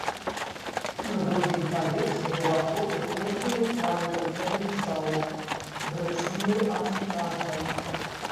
На другім паверсе ўваход у круглую ў плане канферэнц-залу, вырашаную амфітэатрам.